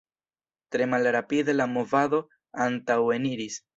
Tre malrapide la movado antaŭeniris.